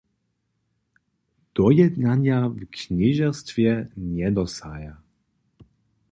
Dojednanja w knježerstwje njedosahaja.